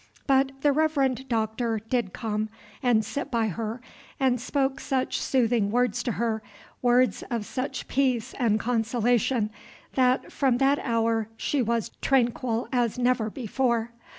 But the Reverend Doctor did come and sit by her, and spoke such soothing words to her, words of such peace and consolation, that from that hour she was tranquil as never before.